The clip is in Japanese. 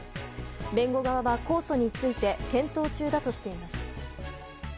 弁護側は控訴について検討中だとしています。